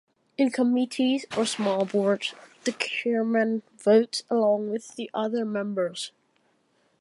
In committees or small boards, the chairman votes along with the other members.